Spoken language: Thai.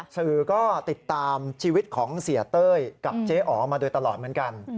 สื่อก็ติดตามชีวิตของเสียเต้ยกับเจ๊อ๋อมาโดยตลอดเหมือนกัน